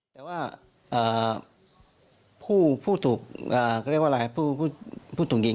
แต่ว่าเอ่อผู้ผู้ถูกเอ่อก็เรียกว่าอะไรผู้ผู้ผู้ถูกยิง